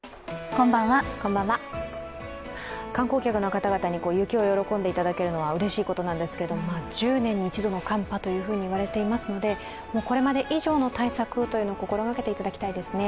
観光客の方々に雪を喜んでいただけるのはうれしいことなんですけれども、１０年に１度の寒波と言われていますのでこれまで以上の対策をというのを心がけてほしいですね。